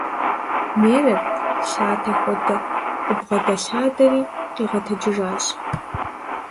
Мерэт, лъэта хуэдэ къыбгъэдэлъадэри къигъэтэджыжащ.